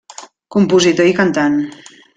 Compositor i cantant.